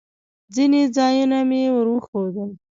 ځینې ځایونه مې ور وښوول.